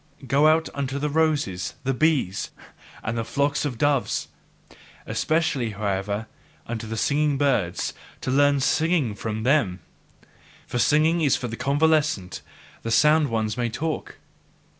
Go out unto the roses, the bees, and the flocks of doves! Especially, however, unto the singing birds, to learn SINGING from them! For singing is for the convalescent; the sound ones may talk.